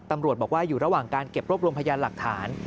ตำรวจบอกว่าอยู่ระหว่างการเก็บรวบรวมพยานหลักฐาน